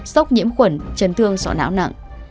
sốc nhiễm khuẩn trần thương sọ não nặng